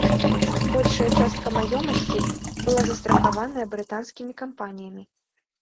Большая частка маёмасці была застрахаваная брытанскімі кампаніямі.